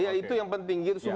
iya itu yang penting